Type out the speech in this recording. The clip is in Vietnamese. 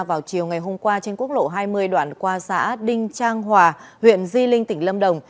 vào chiều ngày hôm qua trên quốc lộ hai mươi đoạn qua xã đinh trang hòa huyện di linh tỉnh lâm đồng